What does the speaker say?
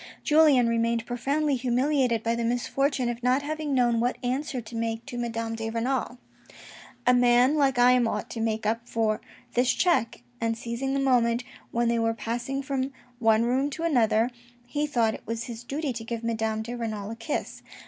Julien remained profoundly humiliated by the misfortune of not having known what answer to make to Madame de Renal. " A man like I am ought to make up for this check !" and seizing the moment when they were passing from one room to another, he thought it was his duty to give Madame de Renal a kiss.